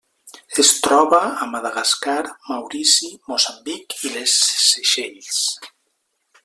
Es troba a Madagascar, Maurici, Moçambic i les Seychelles.